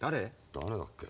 誰だっけ？